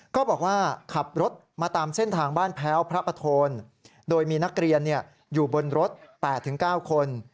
ก็บอกว่าขับรถมาตามเส้นทางบ้านแพ้วพระปโทนโดยมีนักเรียนอยู่บนรถ๘๙คน